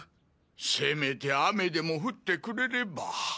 せめて雨でも降ってくれれば。